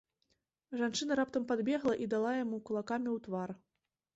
Жанчына раптам падбегла і дала яму кулакамі ў твар.